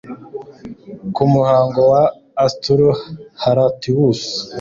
Ku muhogo wa Astur Horatius